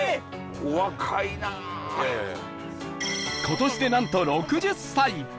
今年でなんと６０歳